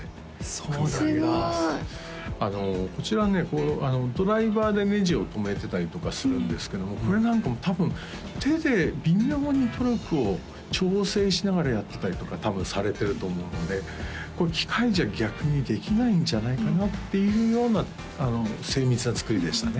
すごいこちらねドライバーでネジを留めてたりとかするんですけどもこれなんかも多分手で微妙にトルクを調整しながらやってたりとか多分されてると思うので機械じゃ逆にできないんじゃないかなっていうような精密な作りでしたね